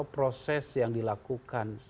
proses yang dilakukan